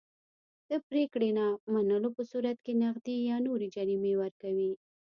د پرېکړې نه منلو په صورت کې نغدي یا نورې جریمې ورکوي.